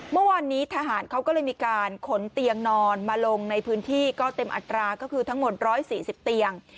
เมื่อวานนี้ทหารเขาก็เลยมีการขนเตียงนอนมาลงในพื้นที่ก็เต็มอัตราก็คือทั้งหมด๑๔๐เตียง